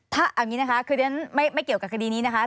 ถ้าเอาอย่างนี้นะคะคือเรียนไม่เกี่ยวกับคดีนี้นะคะ